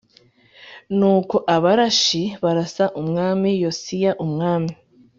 Nuko Abarashi e barasa Umwami Yosiya umwami